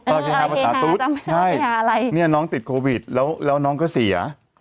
เออที่ห้าภาษาตุ๊ดใช่นี่น้องติดโควิดแล้วน้องก็เสีย